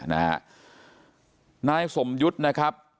นายสมยุทธ์นะครับ